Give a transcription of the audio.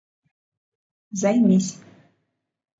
Займись!